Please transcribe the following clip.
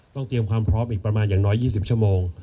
เตรียมความพร้อมอีกประมาณอย่างน้อย๒๐ชั่วโมง